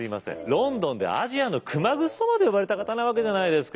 ロンドンで「アジアの熊楠」とまで呼ばれた方なわけじゃないですか。